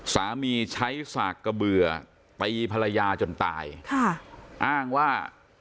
สามีใช้ศักดิ์กระเบื่อตีภรรยาจนตายค่ะอ้างว่า